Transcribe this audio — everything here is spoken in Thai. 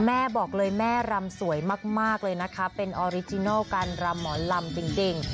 แม่บอกเลยแม่รำสวยมากเลยนะคะเป็นออริจินัลการรำหมอลำจริง